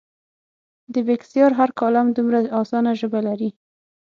د بېکسیار هر کالم دومره اسانه ژبه لري.